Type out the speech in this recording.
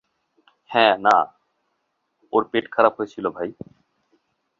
হ্যাঁ, না, ওর পেট খারাপ হয়েছিল, ভাই।